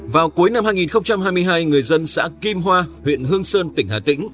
vào cuối năm hai nghìn hai mươi hai người dân xã kim hoa huyện hương sơn tỉnh hà tĩnh